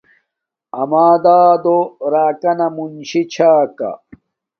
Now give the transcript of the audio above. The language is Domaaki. اما دادو راکانا منشی چھا کا